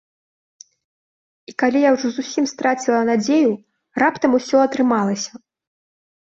І калі я ўжо зусім страціла надзею, раптам ўсё атрымалася!